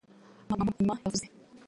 Amagambo ya nyuma yavuze,